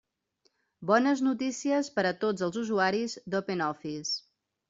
Bones notícies per a tots els usuaris d'OpenOffice.